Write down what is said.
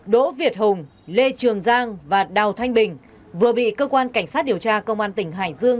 đỗ việt hùng lê trường giang và đào thanh bình vừa bị cơ quan cảnh sát điều tra công an tỉnh hải dương